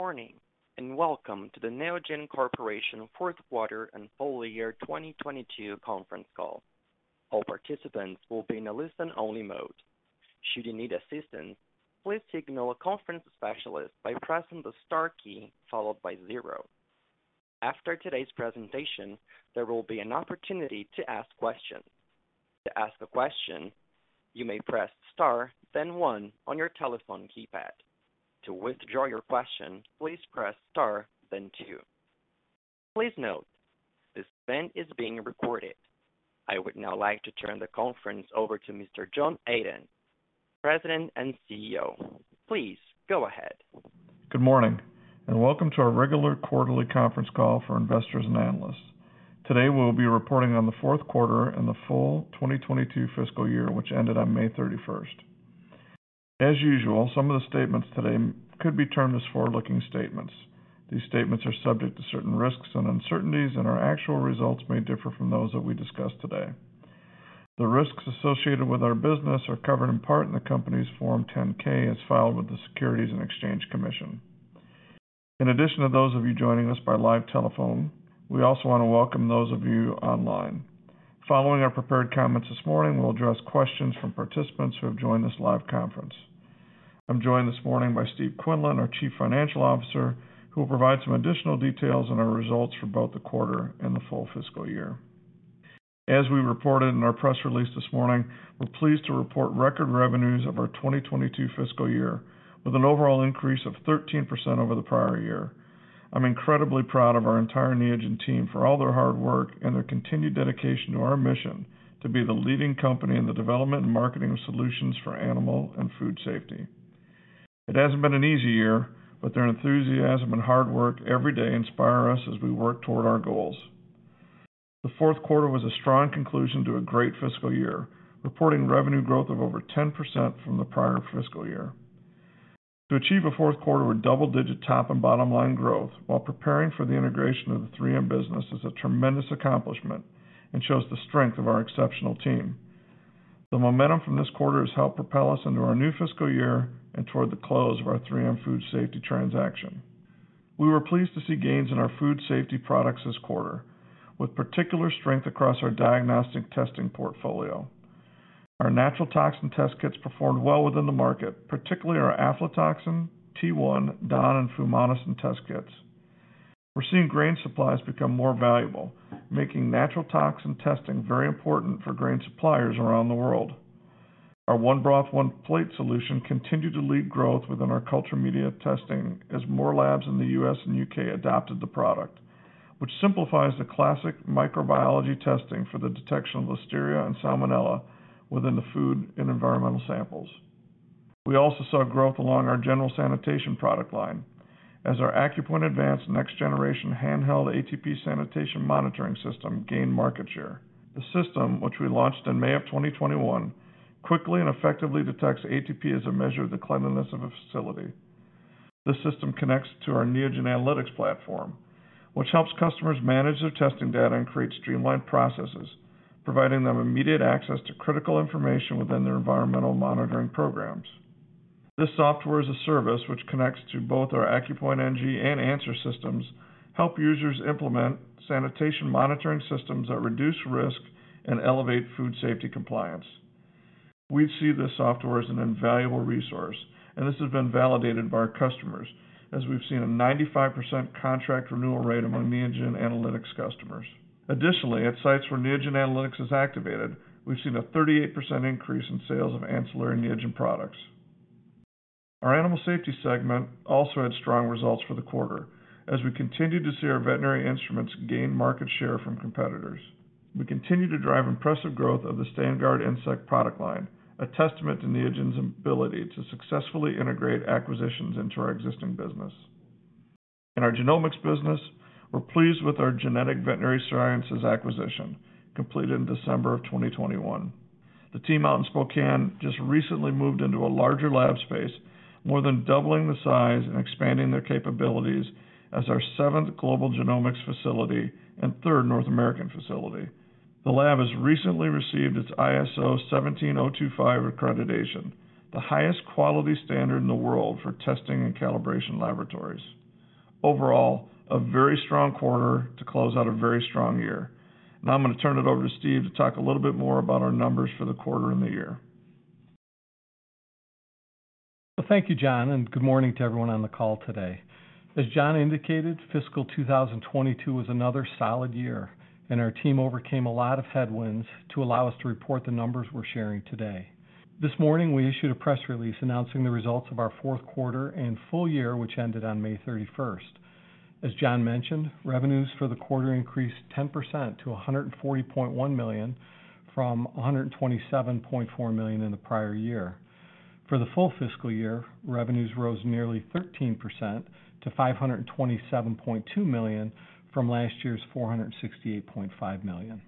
Good morning, and welcome to the Neogen Corporation fourth quarter and full year 2022 conference call. All participants will be in a listen-only mode. Should you need assistance, please signal a conference specialist by pressing the star key followed by zero. After today's presentation, there will be an opportunity to ask questions. To ask a question, you may press star then one on your telephone keypad. To withdraw your question, please press star then two. Please note this event is being recorded. I would now like to turn the conference over to Mr. John Adent, President and CEO. Please go ahead. Good morning, and welcome to our regular quarterly conference call for investors and analysts. Today we'll be reporting on the fourth quarter and the full 2022 fiscal year, which ended on May 31st. As usual, some of the statements today could be termed as forward-looking statements. These statements are subject to certain risks and uncertainties, and our actual results may differ from those that we discuss today. The risks associated with our business are covered in part in the company's Form 10-K as filed with the Securities and Exchange Commission. In addition to those of you joining us by live telephone, we also want to welcome those of you online. Following our prepared comments this morning, we'll address questions from participants who have joined this live conference. I'm joined this morning by Steve Quinlan, our Chief Financial Officer, who will provide some additional details on our results for both the quarter and the full fiscal year. As we reported in our press release this morning, we're pleased to report record revenues of our 2022 fiscal year with an overall increase of 13% over the prior year. I'm incredibly proud of our entire Neogen team for all their hard work and their continued dedication to our mission to be the leading company in the development and marketing of solutions for animal and food safety. It hasn't been an easy year, but their enthusiasm and hard work every day inspire us as we work toward our goals. The fourth quarter was a strong conclusion to a great fiscal year, reporting revenue growth of over 10% from the prior fiscal year. To achieve a fourth quarter with double-digit top and bottom line growth while preparing for the integration of the 3M business is a tremendous accomplishment and shows the strength of our exceptional team. The momentum from this quarter has helped propel us into our new fiscal year and toward the close of our 3M Food Safety transaction. We were pleased to see gains in our food safety products this quarter, with particular strength across our diagnostic testing portfolio. Our natural toxin test kits performed well within the market, particularly our aflatoxin, T-2, DON, and fumonisin test kits. We're seeing grain supplies become more valuable, making natural toxin testing very important for grain suppliers around the world. Our One Broth One Plate solution continued to lead growth within our culture media testing as more labs in the U.S. and U.K. adopted the product, which simplifies the classic microbiology testing for the detection of Listeria and Salmonella within the food and environmental samples. We also saw growth along our general sanitation product line as our AccuPoint Advanced Next Generation handheld ATP sanitation monitoring system gained market share. The system, which we launched in May 2021, quickly and effectively detects ATP as a measure of the cleanliness of a facility. This system connects to our Neogen Analytics platform, which helps customers manage their testing data and create streamlined processes, providing them immediate access to critical information within their environmental monitoring programs. This software-as-a-service, which connects to both our AccuPoint NG and ANSR systems, help users implement sanitation monitoring systems that reduce risk and elevate food safety compliance. We see this software as an invaluable resource, and this has been validated by our customers as we've seen a 95% contract renewal rate among Neogen Analytics customers. Additionally, at sites where Neogen Analytics is activated, we've seen a 38% increase in sales of ancillary Neogen products. Our Animal Safety segment also had strong results for the quarter. As we continue to see our veterinary instruments gain market share from competitors, we continue to drive impressive growth of the StandGuard insect product line, a testament to Neogen's ability to successfully integrate acquisitions into our existing business. In our genomics business, we're pleased with our Genetic Veterinary Sciences acquisition completed in December of 2021. The team out in Spokane just recently moved into a larger lab space, more than doubling the size and expanding their capabilities as our seventh global genomics facility and third North American facility. The lab has recently received its ISO 17025 accreditation, the highest quality standard in the world for testing and calibration laboratories. Overall, a very strong quarter to close out a very strong year. Now I'm going to turn it over to Steve to talk a little bit more about our numbers for the quarter and the year. Well, thank you, John, and good morning to everyone on the call today. As John indicated, fiscal 2022 was another solid year, and our team overcame a lot of headwinds to allow us to report the numbers we're sharing today. This morning, we issued a press release announcing the results of our fourth quarter and full year, which ended on May 31st. As John mentioned, revenues for the quarter increased 10% to $140.1 million from $127.4 million in the prior year. For the full fiscal year, revenues rose nearly 13% to $527.2 million from last year's $468.5 million.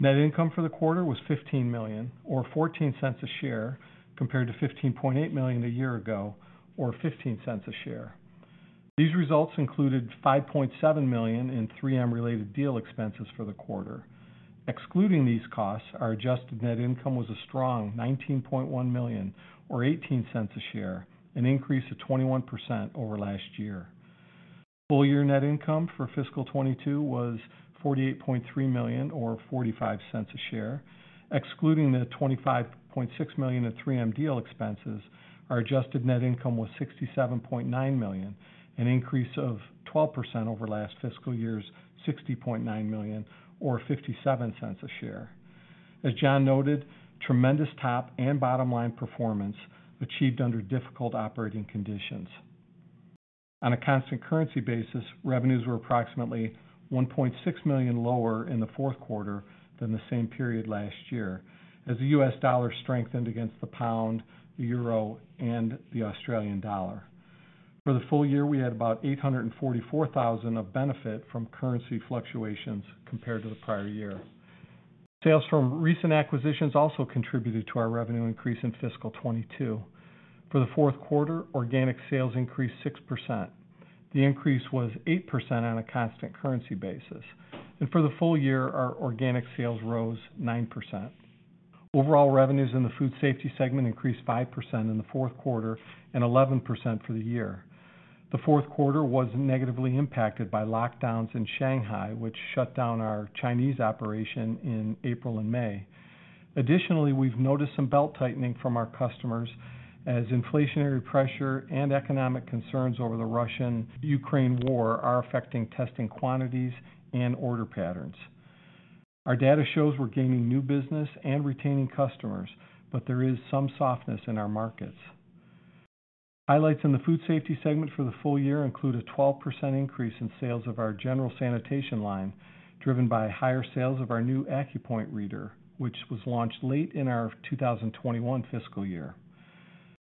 Net income for the quarter was $15 million or $0.14 a share, compared to $15.8 million a year ago or $0.15 a share. These results included $5.7 million in 3M-related deal expenses for the quarter. Excluding these costs, our adjusted net income was a strong $19.1 million or $0.18 a share, an increase of 21% over last year. Full year net income for fiscal 2022 was $48.3 million or $0.45 a share. Excluding the $25.6 million in 3M deal expenses, our adjusted net income was $67.9 million, an increase of 12% over last fiscal year's $60.9 million or $0.57 a share. As John noted, tremendous top and bottom line performance achieved under difficult operating conditions. On a constant currency basis, revenues were approximately $1.6 million lower in the fourth quarter than the same period last year, as the U.S. dollar strengthened against the pound, the euro, and the Australian dollar. For the full year, we had about $844,000 of benefit from currency fluctuations compared to the prior year. Sales from recent acquisitions also contributed to our revenue increase in fiscal 2022. For the fourth quarter, organic sales increased 6%. The increase was 8% on a constant currency basis. For the full year, our organic sales rose 9%. Overall revenues in the Food Safety segment increased 5% in the fourth quarter and 11% for the year. The fourth quarter was negatively impacted by lockdowns in Shanghai, which shut down our Chinese operation in April and May. We've noticed some belt-tightening from our customers as inflationary pressure and economic concerns over the Russia-Ukraine war are affecting testing quantities and order patterns. Our data shows we're gaining new business and retaining customers, but there is some softness in our markets. Highlights in the Food Safety segment for the full year include a 12% increase in sales of our general sanitation line, driven by higher sales of our new AccuPoint reader, which was launched late in our 2021 fiscal year.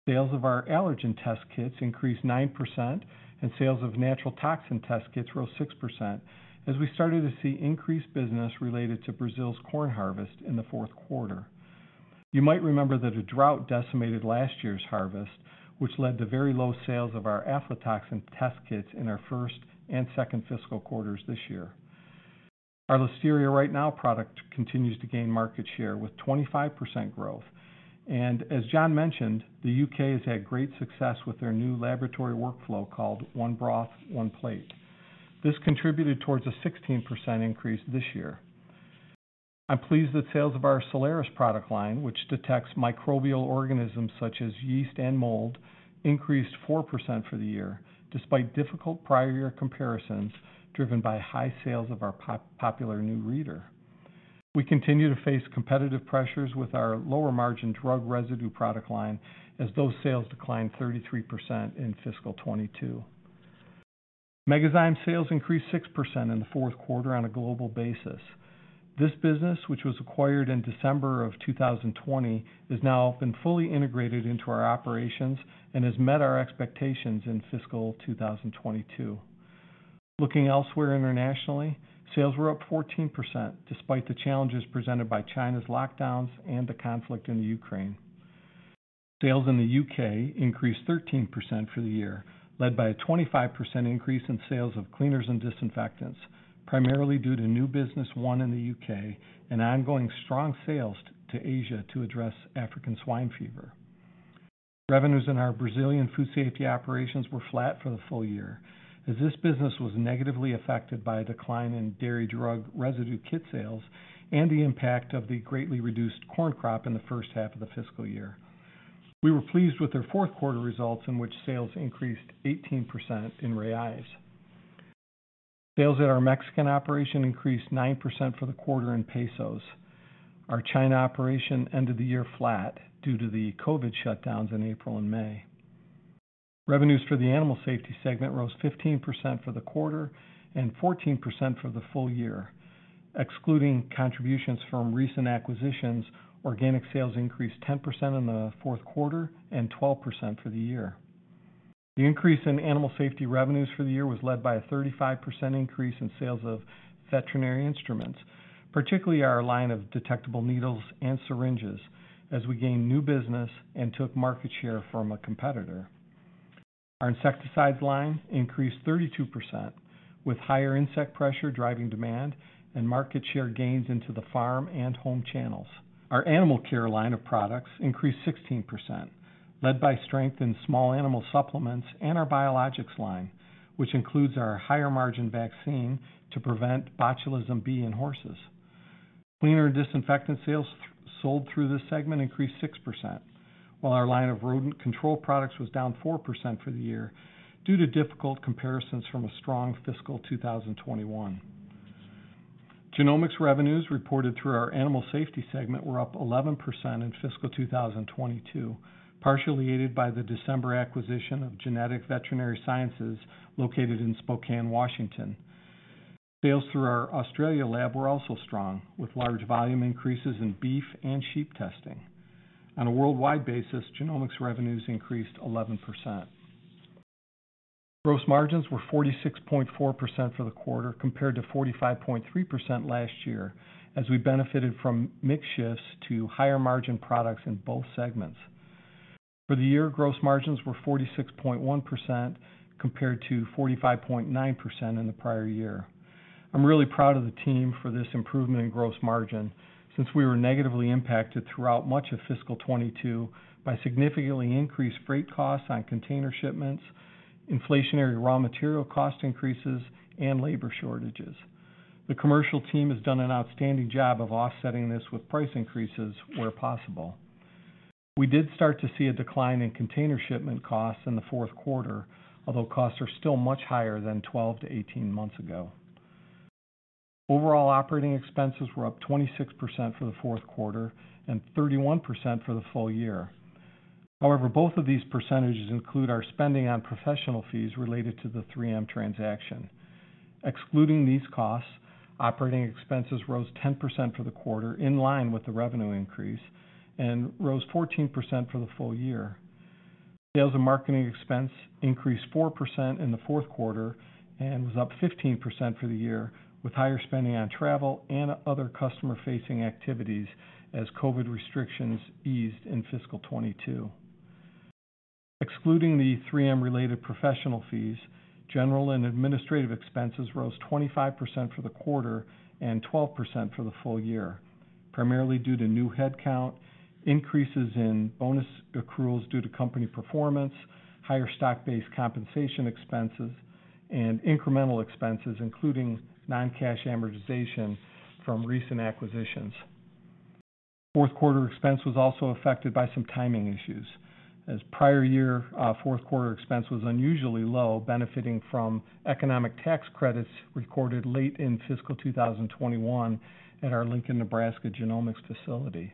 Sales of our allergen test kits increased 9% and sales of natural toxin test kits rose 6% as we started to see increased business related to Brazil's corn harvest in the fourth quarter. You might remember that a drought decimated last year's harvest, which led to very low sales of our aflatoxin test kits in our first and second fiscal quarters this year. Our Listeria Right Now product continues to gain market share with 25% growth. As John mentioned, the U.K. has had great success with their new laboratory workflow called One Broth One Plate. This contributed towards a 16% increase this year. I'm pleased that sales of our Soleris product line, which detects microbial organisms such as yeast and mold, increased 4% for the year, despite difficult prior-year comparisons driven by high sales of our popular new reader. We continue to face competitive pressures with our lower margin drug residue product line as those sales declined 33% in fiscal 2022. Megazyme sales increased 6% in the fourth quarter on a global basis. This business, which was acquired in December of 2020, has now been fully integrated into our operations and has met our expectations in fiscal 2022. Looking elsewhere internationally, sales were up 14%, despite the challenges presented by China's lockdowns and the conflict in Ukraine. Sales in the U.K. increased 13% for the year, led by a 25% increase in sales of cleaners and disinfectants, primarily due to new business won in the U.K. and ongoing strong sales to Asia to address African swine fever. Revenues in our Brazilian Food Safety operations were flat for the full year, as this business was negatively affected by a decline in dairy drug residue kit sales and the impact of the greatly reduced corn crop in the first half of the fiscal year. We were pleased with their fourth quarter results, in which sales increased 18% in reais. Sales at our Mexican operation increased 9% for the quarter in pesos. Our China operation ended the year flat due to the COVID shutdowns in April and May. Revenues for the Animal Safety segment rose 15% for the quarter and 14% for the full year. Excluding contributions from recent acquisitions, organic sales increased 10% in the fourth quarter and 12% for the year. The increase in Animal Safety revenues for the year was led by a 35% increase in sales of veterinary instruments, particularly our line of detectable needles and syringes, as we gained new business and took market share from a competitor. Our insecticides line increased 32%, with higher insect pressure driving demand and market share gains into the farm and home channels. Our animal care line of products increased 16%, led by strength in small animal supplements and our biologics line, which includes our higher margin vaccine to prevent botulism Type B in horses. Cleaner disinfectant sales sold through this segment increased 6%, while our line of rodent control products was down 4% for the year due to difficult comparisons from a strong fiscal 2021. Genomics revenues reported through our Animal Safety segment were up 11% in fiscal 2022, partially aided by the December acquisition of Genetic Veterinary Sciences located in Spokane, Washington. Sales through our Australia lab were also strong, with large volume increases in beef and sheep testing. On a worldwide basis, genomics revenues increased 11%. Gross margins were 46.4% for the quarter, compared to 45.3% last year, as we benefited from mix shifts to higher margin products in both segments. For the year, gross margins were 46.1% compared to 45.9% in the prior year. I'm really proud of the team for this improvement in gross margin since we were negatively impacted throughout much of fiscal 2022 by significantly increased freight costs on container shipments, inflationary raw material cost increases, and labor shortages. The commercial team has done an outstanding job of offsetting this with price increases where possible. We did start to see a decline in container shipment costs in the fourth quarter, although costs are still much higher than 12-18 months ago. Overall operating expenses were up 26% for the fourth quarter and 31% for the full year. However, both of these percentages include our spending on professional fees related to the 3M transaction. Excluding these costs, operating expenses rose 10% for the quarter, in line with the revenue increase and rose 14% for the full year. Sales and marketing expense increased 4% in the fourth quarter and was up 15% for the year, with higher spending on travel and other customer facing activities as COVID restrictions eased in fiscal 2022. Excluding the 3M related professional fees, general and administrative expenses rose 25% for the quarter and 12% for the full year, primarily due to new headcount, increases in bonus accruals due to company performance, higher stock-based compensation expenses and incremental expenses, including non-cash amortization from recent acquisitions. Fourth quarter expense was also affected by some timing issues, as prior-year fourth quarter expense was unusually low, benefiting from economic tax credits recorded late in fiscal 2021 at our Lincoln, Nebraska genomics facility.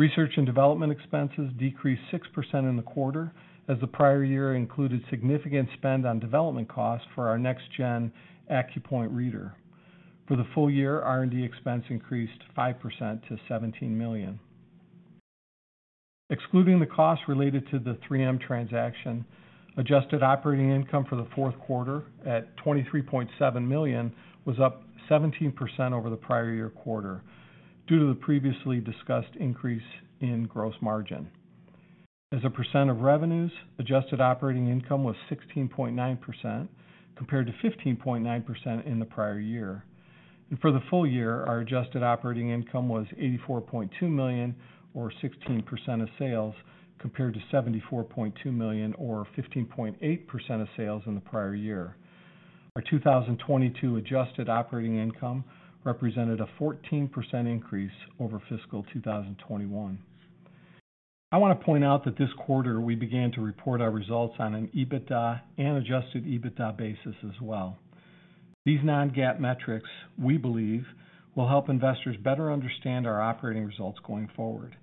R&D expenses decreased 6% in the quarter as the prior year included significant spend on development costs for our next gen AccuPoint reader. For the full year, R&D expense increased 5% to $17 million. Excluding the costs related to the 3M transaction, adjusted operating income for the fourth quarter at $23.7 million was up 17% over the prior-year quarter due to the previously discussed increase in gross margin. As a percent of revenues, adjusted operating income was 16.9% compared to 15.9% in the prior year. For the full year, our adjusted operating income was $84.2 million, or 16% of sales, compared to $74.2 million or 15.8% of sales in the prior year. Our 2022 adjusted operating income represented a 14% increase over fiscal 2021. I want to point out that this quarter we began to report our results on an EBITDA and adjusted EBITDA basis as well. These non-GAAP metrics, we believe, will help investors better understand our operating results going forward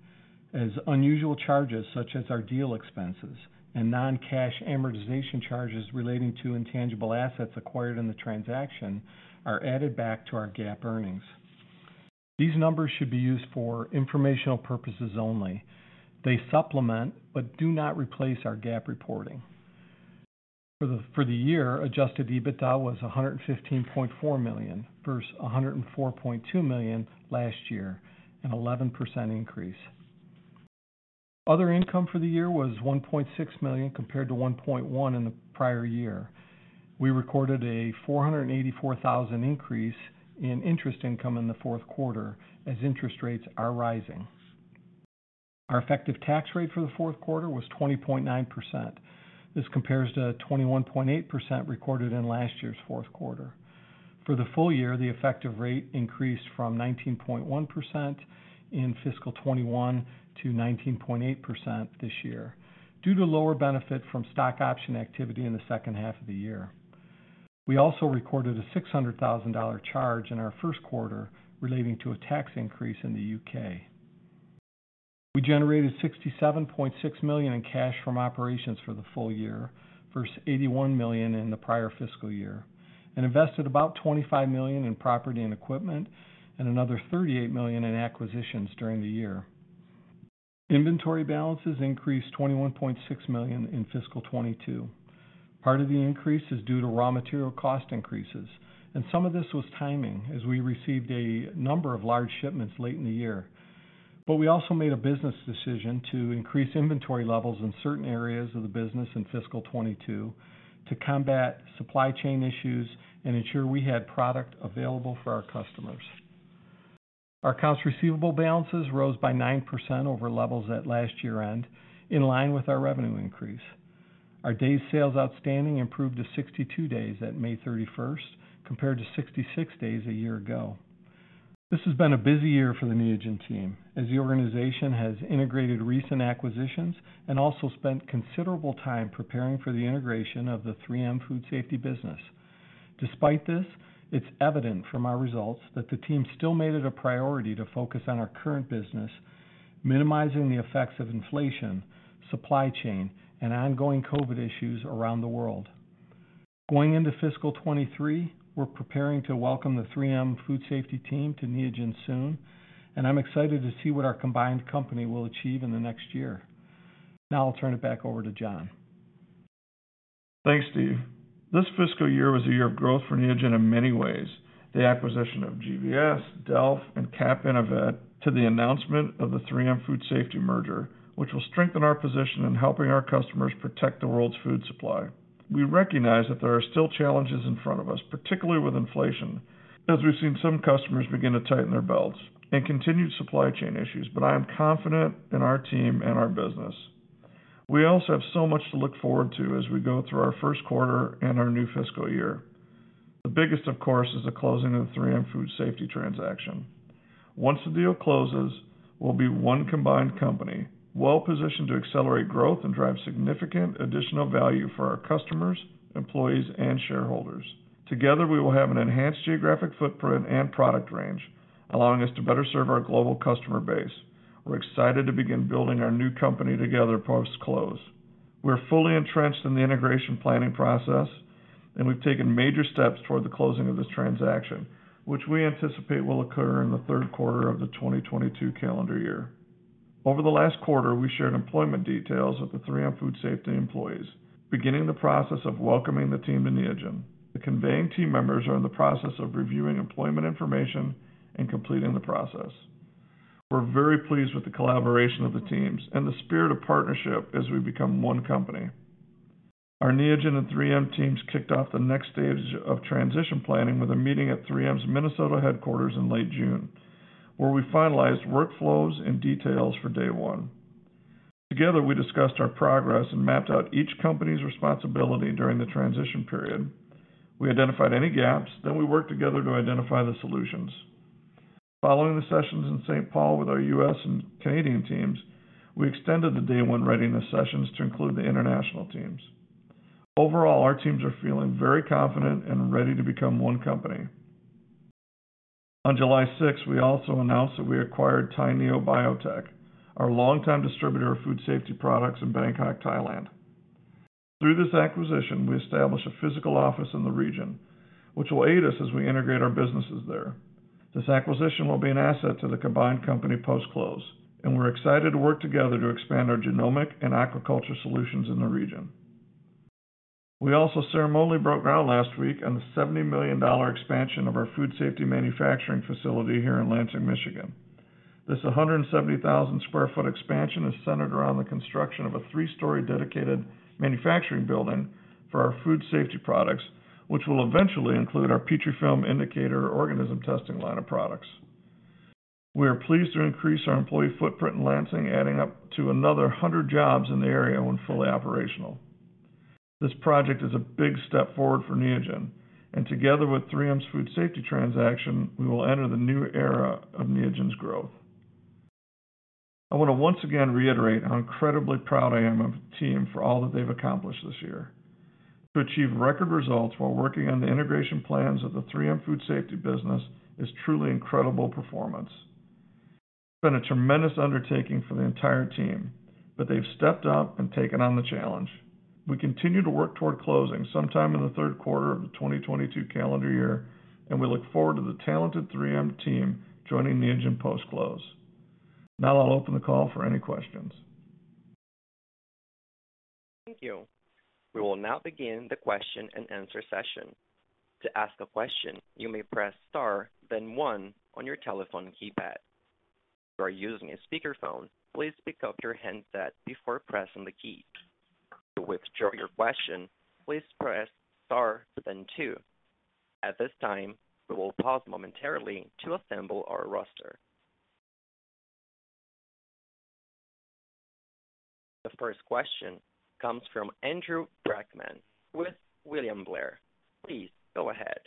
as unusual charges such as our deal expenses and non-cash amortization charges relating to intangible assets acquired in the transaction are added back to our GAAP earnings. These numbers should be used for informational purposes only. They supplement but do not replace our GAAP reporting. For the year, adjusted EBITDA was $115.4 million versus $104.2 million last year, an 11% increase. Other income for the year was $1.6 million, compared to $1.1 million in the prior year. We recorded a $484,000 increase in interest income in the fourth quarter as interest rates are rising. Our effective tax rate for the fourth quarter was 20.9%. This compares to 21.8% recorded in last year's fourth quarter. For the full year, the effective rate increased from 19.1% in fiscal 2021 to 19.8% this year due to lower benefit from stock option activity in the second half of the year. We also recorded a $600,000 charge in our first quarter relating to a tax increase in the U.K. We generated $67.6 million in cash from operations for the full year versus $81 million in the prior fiscal year, and invested about $25 million in property and equipment and another $38 million in acquisitions during the year. Inventory balances increased $21.6 million in fiscal 2022. Part of the increase is due to raw material cost increases, and some of this was timing as we received a number of large shipments late in the year. We also made a business decision to increase inventory levels in certain areas of the business in fiscal 2022 to combat supply chain issues and ensure we had product available for our customers. Our accounts receivable balances rose by 9% over levels at last year-end in line with our revenue increase. Our days sales outstanding improved to 62 days at May 31st, compared to 66 days a year ago. This has been a busy year for the Neogen team as the organization has integrated recent acquisitions and also spent considerable time preparing for the integration of the 3M Food Safety business. Despite this, it's evident from our results that the team still made it a priority to focus on our current business, minimizing the effects of inflation, supply chain and ongoing COVID issues around the world. Going into fiscal 2023, we're preparing to welcome the 3M Food Safety team to Neogen soon, and I'm excited to see what our combined company will achieve in the next year. Now I'll turn it back over to John. Thanks, Steve. This fiscal year was a year of growth for Neogen in many ways. The acquisition of GVS, Delf and CAPInnoVet to the announcement of the 3M Food Safety merger, which will strengthen our position in helping our customers protect the world's food supply. We recognize that there are still challenges in front of us, particularly with inflation, as we've seen some customers begin to tighten their belts and continued supply chain issues, but I am confident in our team and our business. We also have so much to look forward to as we go through our first quarter and our new fiscal year. The biggest, of course, is the closing of the 3M Food Safety transaction. Once the deal closes, we'll be one combined company, well-positioned to accelerate growth and drive significant additional value for our customers, employees and shareholders. Together, we will have an enhanced geographic footprint and product range, allowing us to better serve our global customer base. We're excited to begin building our new company together post-close. We're fully entrenched in the integration planning process, and we've taken major steps toward the closing of this transaction, which we anticipate will occur in the third quarter of the 2022 calendar year. Over the last quarter, we shared employment details of the 3M's Food Safety employees, beginning the process of welcoming the team to Neogen. The incoming team members are in the process of reviewing employment information and completing the process. We're very pleased with the collaboration of the teams and the spirit of partnership as we become one company. Our Neogen and 3M teams kicked off the next stage of transition planning with a meeting at 3M's Minnesota headquarters in late June, where we finalized workflows and details for day one. Together, we discussed our progress and mapped out each company's responsibility during the transition period. We identified any gaps, then we worked together to identify the solutions. Following the sessions in St. Paul with our U.S. and Canadian teams, we extended the day one readiness sessions to include the international teams. Overall, our teams are feeling very confident and ready to become one company. On July 6th, we also announced that we acquired Thai-Neo Biotech, our longtime distributor of food safety products in Bangkok, Thailand. Through this acquisition, we established a physical office in the region, which will aid us as we integrate our businesses there. This acquisition will be an asset to the combined company post-close, and we're excited to work together to expand our genomic and aquaculture solutions in the region. We also ceremonially broke ground last week on the $70 million expansion of our Food Safety manufacturing facility here in Lansing, Michigan. This 170,000 sq ft expansion is centered around the construction of a three-story dedicated manufacturing building for our food safety products, which will eventually include our Petrifilm indicator organism testing line of products. We are pleased to increase our employee footprint in Lansing, adding up to another 100 jobs in the area when fully operational. This project is a big step forward for Neogen, and together with 3M's food safety transaction, we will enter the new era of Neogen's growth. I want to once again reiterate how incredibly proud I am of the team for all that they've accomplished this year. To achieve record results while working on the integration plans of 3M's Food Safety business is truly incredible performance. It's been a tremendous undertaking for the entire team, but they've stepped up and taken on the challenge. We continue to work toward closing sometime in the third quarter of the 2022 calendar year, and we look forward to the talented 3M team joining Neogen post-close. Now I'll open the call for any questions. Thank you. We will now begin the question-and-answer session. To ask a question, you may press star, then one on your telephone keypad. If you are using a speakerphone, please pick up your handset before pressing the key. To withdraw your question, please press star, then two. At this time, we will pause momentarily to assemble our roster. The first question comes from Andrew Brackmann with William Blair. Please go ahead.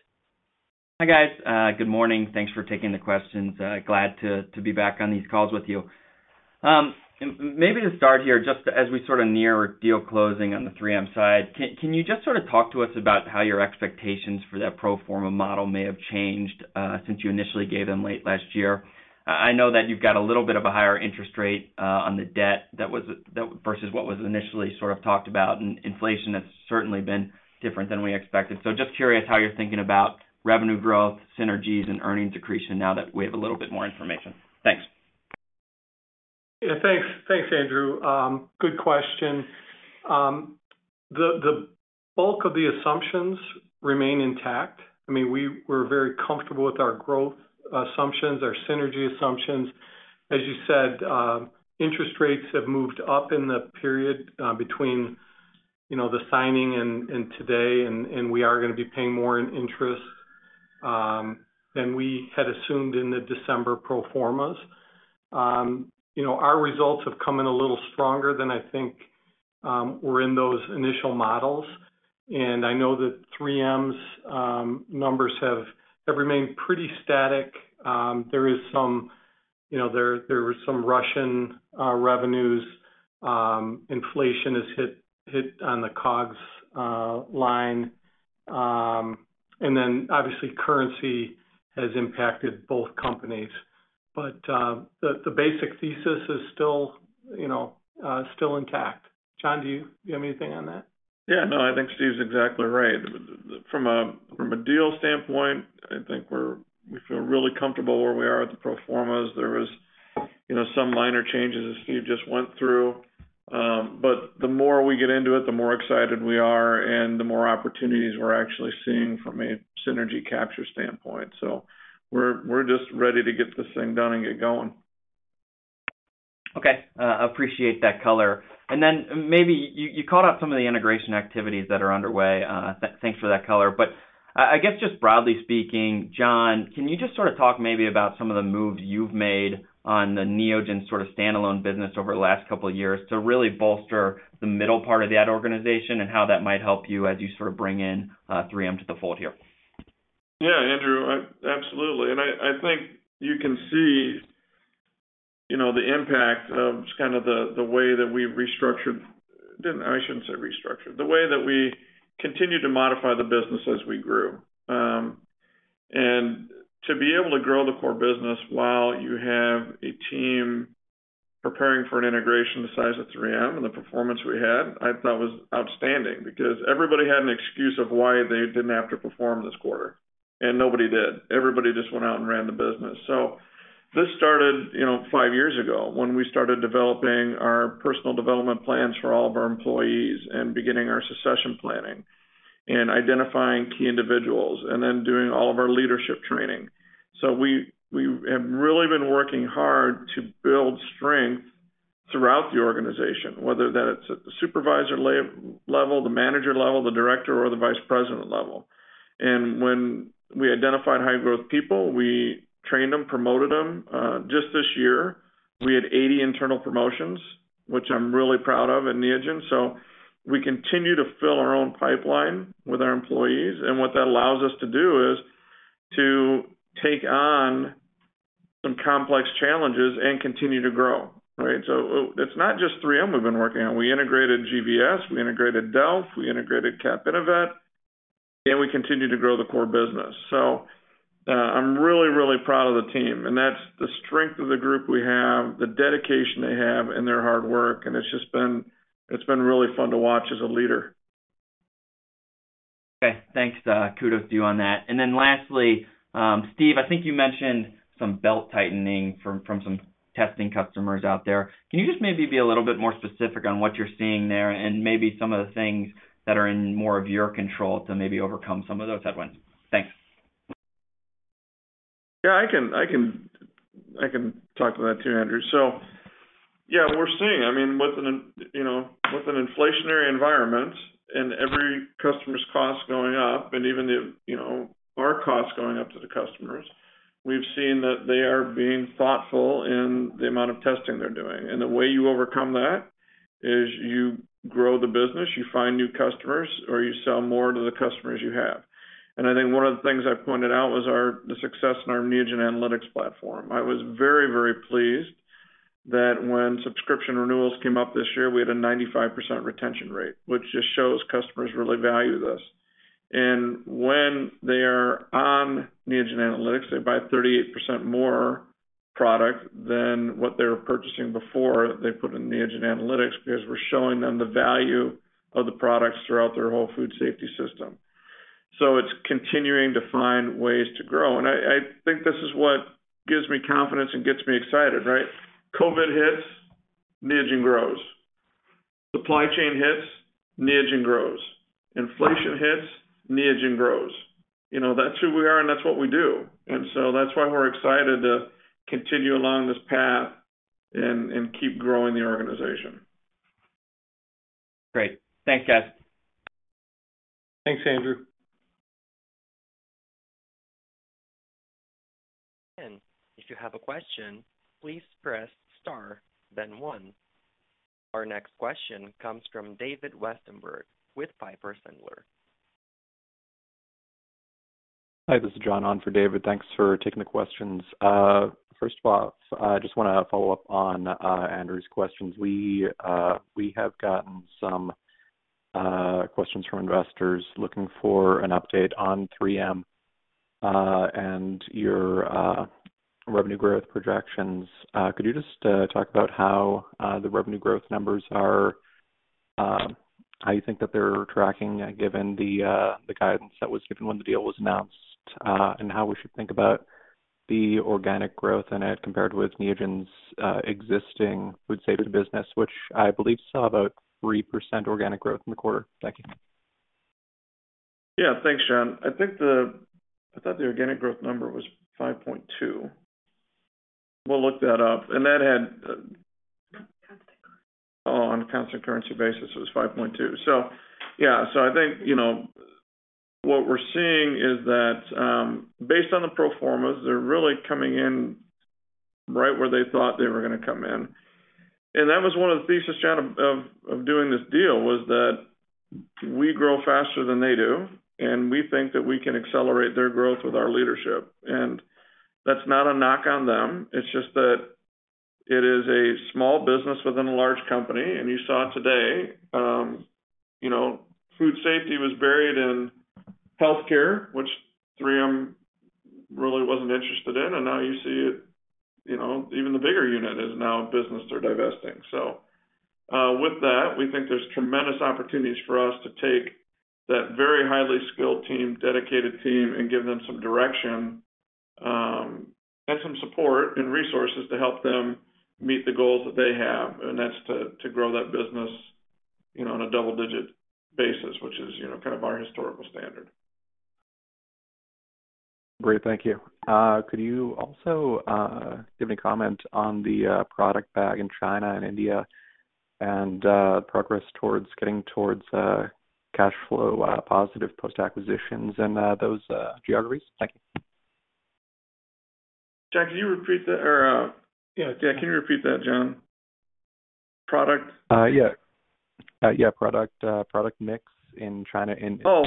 Hi, guys. Good morning. Thanks for taking the questions. Glad to be back on these calls with you. Maybe to start here, just as we sort of near deal closing on the 3M side, can you just sort of talk to us about how your expectations for that pro forma model may have changed since you initially gave them late last year? I know that you've got a little bit of a higher interest rate on the debt that versus what was initially sort of talked about, and inflation has certainly been different than we expected. Just curious how you're thinking about revenue growth, synergies, and earnings accretion now that we have a little bit more information. Thanks. Thanks, Andrew. Good question. The bulk of the assumptions remain intact. I mean, we're very comfortable with our growth assumptions, our synergy assumptions. As you said, interest rates have moved up in the period between the signing and today, and we are gonna be paying more in interest than we had assumed in the December pro formas. You know, our results have come in a little stronger than I think were in those initial models, and I know that 3M's numbers have remained pretty static. There were some Russian revenues. Inflation has hit on the COGS line. And then obviously currency has impacted both companies. The basic thesis is still intact. John, do you have anything on that? Yeah. No, I think Steve's exactly right. From a deal standpoint, I think we feel really comfortable where we are at the pro formas. There was, you know, some minor changes as Steve just went through. But the more we get into it, the more excited we are and the more opportunities we're actually seeing from a synergy capture standpoint. We're just ready to get this thing done and get going. Appreciate that color. Then maybe you called out some of the integration activities that are underway. Thanks for that color, but I guess, just broadly speaking, John, can you just sort of talk maybe about some of the moves you've made on the Neogen sort of standalone business over the last couple of years to really bolster the middle part of that organization and how that might help you as you sort of bring in 3M to the fold here? Yeah, Andrew, absolutely. I think you can see, you know, the impact of just kind of the way that we continued to modify the business as we grew. To be able to grow the core business while you have a team preparing for an integration the size of 3M and the performance we had, I thought was outstanding because everybody had an excuse of why they didn't have to perform this quarter, and nobody did. Everybody just went out and ran the business. This started, you know, five years ago when we started developing our personal development plans for all of our employees and beginning our succession planning and identifying key individuals, and then doing all of our leadership training. We have really been working hard to build strength throughout the organization, whether it's at the supervisor level, the manager level, the director, or the vice president level. When we identified high-growth people, we trained them, promoted them. Just this year, we had 80 internal promotions, which I'm really proud of at Neogen. We continue to fill our own pipeline with our employees, and what that allows us to do is to take on some complex challenges and continue to grow, right? It's not just 3M we've been working on. We integrated GVS, we integrated Delf, we integrated CAPInnoVet, and we continue to grow the core business. I'm really, really proud of the team, and that's the strength of the group we have, the dedication they have and their hard work, and it's been really fun to watch as a leader. Okay, thanks. Kudos to you on that. Lastly, Steve, I think you mentioned some belt-tightening from some testing customers out there. Can you just maybe be a little bit more specific on what you're seeing there and maybe some of the things that are in more of your control to maybe overcome some of those headwinds? Thanks. Yeah, I can talk to that too, Andrew. Yeah, we're seeing, I mean, you know, with an inflationary environment and every customer's cost going up and even you know, our cost going up to the customers, we've seen that they are being thoughtful in the amount of testing they're doing. The way you overcome that is you grow the business, you find new customers, or you sell more to the customers you have. I think one of the things I pointed out was the success in our Neogen Analytics platform. I was very, very pleased that when subscription renewals came up this year, we had a 95% retention rate, which just shows customers really value this. When they are on Neogen Analytics, they buy 38% more product than what they were purchasing before they put in Neogen Analytics because we're showing them the value of the products throughout their whole food safety system. It's continuing to find ways to grow. I think this is what gives me confidence and gets me excited, right? COVID hits, Neogen grows. Supply chain hits, Neogen grows. Inflation hits, Neogen grows. You know, that's who we are, and that's what we do. That's why we're excited to continue along this path and keep growing the organization. Great. Thanks, guys. Thanks, Andrew. If you have a question, please press star then one. Our next question comes from David Westenberg with Piper Sandler. Hi, this is John on for David. Thanks for taking the questions. First off, I just wanna follow up on Andrew's questions. We have gotten some questions from investors looking for an update on 3M and your revenue growth projections. Could you just talk about how the revenue growth numbers are, how you think that they're tracking, given the guidance that was given when the deal was announced, and how we should think about the organic growth in it compared with Neogen's existing Food Safety business, which I believe saw about 3% organic growth in the quarter? Thank you. Yeah. Thanks, John. I thought the organic growth number was 5.2%. We'll look that up. That had—oh, on a constant currency basis, it was 5.2%. Yeah. I think, you know, what we're seeing is that, based on the pro formas, they're really coming in right where they thought they were gonna come in. That was one of the thesis, John, of doing this deal was that we grow faster than they do, and we think that we can accelerate their growth with our leadership. That's not a knock on them. It's just that it is a small business within a large company. You saw today, you know, food safety was buried in healthcare, which 3M really wasn't interested in. Now you see it, you know, even the bigger unit is now a business they're divesting. With that, we think there's tremendous opportunities for us to take that very highly skilled team, dedicated team, and give them some direction, and some support and resources to help them meet the goals that they have. That's to grow that business, you know, on a double-digit basis, which is, you know, kind of our historical standard. Great. Thank you. Could you also give any comment on the product bag in China and India and progress towards getting cash flow-positive post-acquisitions in those geographies? Thank you. John, could you repeat that? Or, yeah, can you repeat that, John? Product mix in China and India. Oh,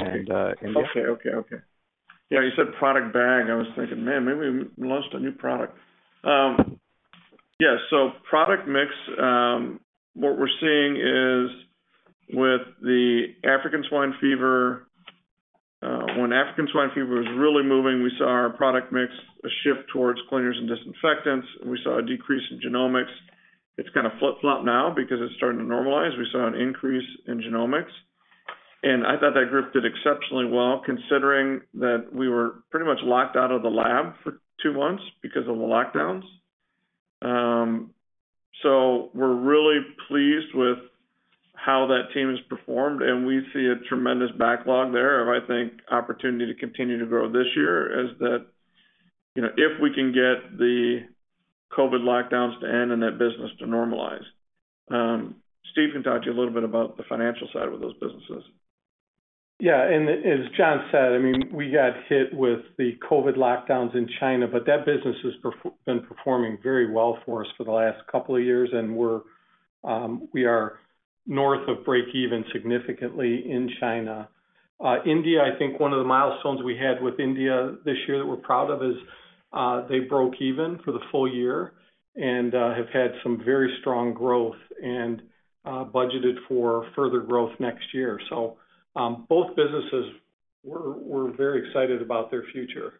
okay. Yeah, you said "product bag." I was thinking, "Man, maybe we launched a new product." Yeah, product mix. What we're seeing is with the African swine fever, when African swine fever was really moving, we saw our product mix shift towards cleaners and disinfectants. We saw a decrease in genomics. It's kind of flip-flopped now because it's starting to normalize. We saw an increase in genomics. I thought that group did exceptionally well, considering that we were pretty much locked out of the lab for two months because of the lockdowns. We're really pleased with how that team has performed, and we see a tremendous backlog there of, I think, opportunity to continue to grow this year as that. You know, if we can get the COVID lockdowns to end and that business to normalize. Steve can talk to you a little bit about the financial side of those businesses. Yeah. As John said, I mean, we got hit with the COVID lockdowns in China, but that business has been performing very well for us for the last couple of years, and we are north of breakeven significantly in China. India, I think one of the milestones we had with India this year that we're proud of is they broke even for the full year and have had some very strong growth and budgeted for further growth next year. Both businesses we're very excited about their future.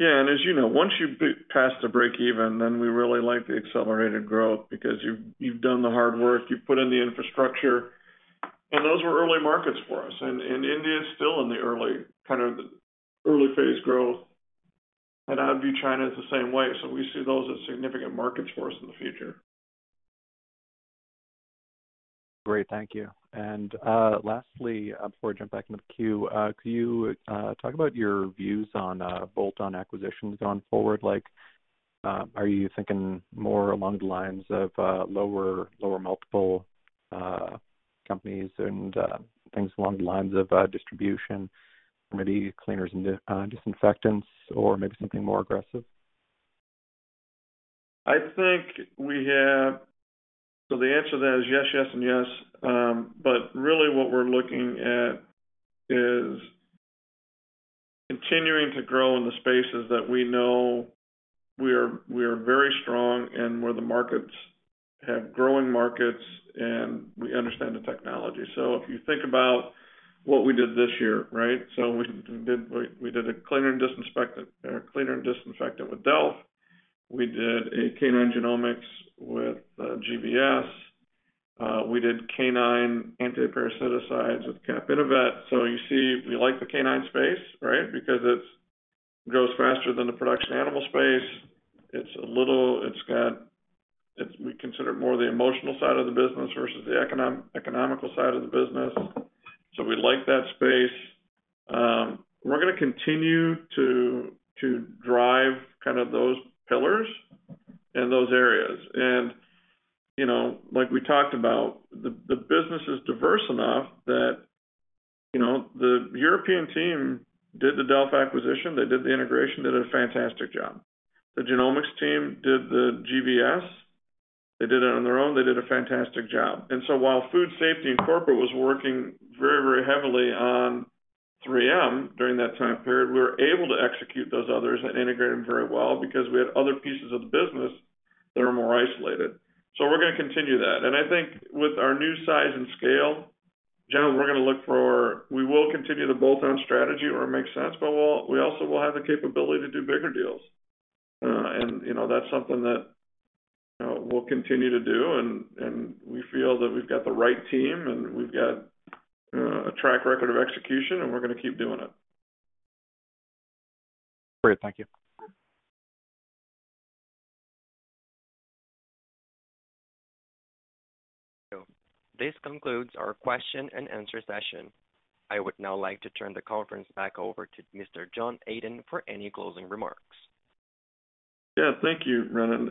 Yeah. As you know, once you pass the breakeven, then we really like the accelerated growth because you've done the hard work, you've put in the infrastructure. Those were early markets for us. India is still in the early, kind of early phase growth. I'd view China as the same way. We see those as significant markets for us in the future. Great. Thank you. Lastly, before I jump back in the queue, could you talk about your views on bolt-on acquisitions going forward? Like, are you thinking more along the lines of lower multiple companies and things along the lines of distribution, maybe cleaners and disinfectants or maybe something more aggressive? The answer to that is yes, yes, and yes. But really what we're looking at is continuing to grow in the spaces that we know we are very strong and where the markets have growing markets, and we understand the technology. If you think about what we did this year, right? We did a cleaner and disinfectant with Delf. We did a canine genomics with GVS. We did canine antiparasiticides with CAPInnoVet. You see, we like the canine space, right? Because it grows faster than the production animal space. We consider it more the emotional side of the business versus the economical side of the business. We like that space. We're gonna continue to drive kind of those pillars in those areas. You know, like we talked about, the business is diverse enough that, you know, the European team did the Delf acquisition. They did the integration, did a fantastic job. The genomics team did the GVS. They did it on their own. They did a fantastic job. While food safety and corporate was working very, very heavily on 3M during that time period, we were able to execute those others and integrate them very well because we had other pieces of the business that are more isolated. We're gonna continue that. I think with our new size and scale, John, we will continue to bolt on strategy where it makes sense, but we also will have the capability to do bigger deals. You know, that's something that we'll continue to do, and we feel that we've got the right team, and we've got a track record of execution, and we're gonna keep doing it. Great. Thank you. This concludes our question-and-answer session. I would now like to turn the conference back over to Mr. John Adent for any closing remarks. Yeah. Thank you, Brennan.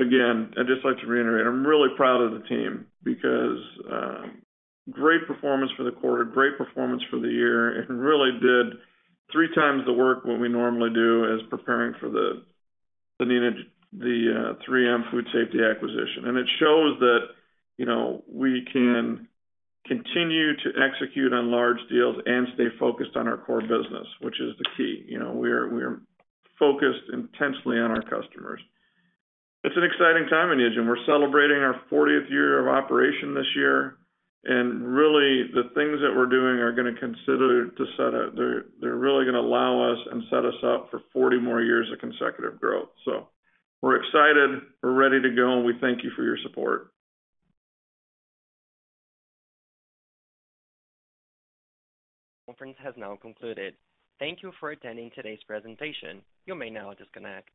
Again, I'd just like to reiterate, I'm really proud of the team because great performance for the quarter, great performance for the year, and really did three times the work what we normally do as preparing for the 3M Food Safety acquisition. It shows that, you know, we can continue to execute on large deals and stay focused on our core business, which is the key. You know, we are focused intensely on our customers. It's an exciting time at Neogen. We're celebrating our 40th year of operation this year. Really, the things that we're doing are gonna continue to set us up for 40 more years of consecutive growth. We're excited, we're ready to go, and we thank you for your support. Conference has now concluded. Thank you for attending today's presentation. You may now disconnect.